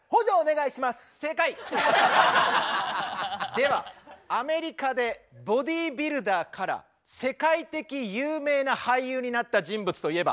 ではアメリカでボディービルダーから世界的有名な俳優になった人物といえば？